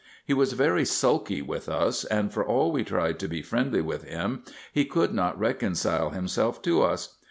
He was very sulky with us; and for all we tried to be friendly with him, he could not reconcile himself to us.